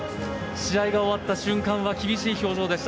試合が終わった瞬間は厳しい表情でした。